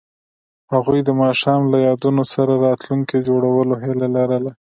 هغوی د ماښام له یادونو سره راتلونکی جوړولو هیله لرله.